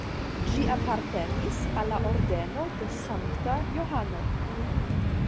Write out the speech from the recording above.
Ĝi apartenis al la Ordeno de Sankta Johano.